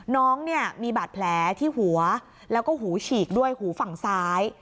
น้องเนี่ยมีบาดแผลที่หัวแล้วก็หูฉีกด้วยหูฝั่งซ้าย